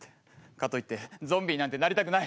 かといってゾンビになんてなりたくない。